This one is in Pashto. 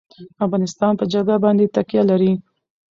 افغانستان په جلګه باندې تکیه لري.